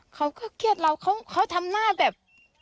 เขาก็เครียดเราเขาทำหน้าแบบ